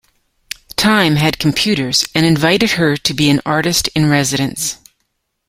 Time had computers, and invited her to be an Artist in Residence.